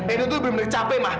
edo tuh bener bener capek mak